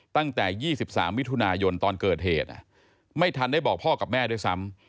ตั้งแต่๒๓มิถุนายนตอนเกิดเหตุไม่ทันได้บอกพ่อกับแม่ด้วยซ้ำ